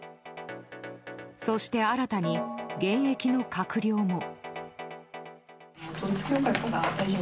そして新たに現役の閣僚も。